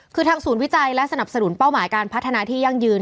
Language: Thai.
คือทางศูนย์วิจัยและสนับสนุนเป้าหมายการพัฒนาที่ยั่งยืน